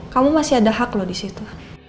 kamu masih ada hak loh disitu